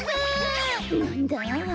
なんだ？